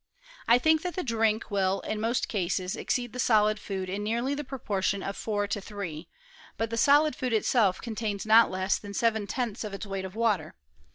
I think that the drink will, in most cases, exceed the solid food in nearly the proportion of 4 to 3 ; but the solid food itself contains not less than 7 1 0 ths of its weight of water.